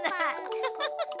フフフフ。